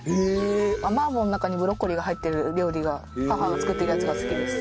麻婆の中にブロッコリーが入ってる料理が母が作ってるやつが好きです。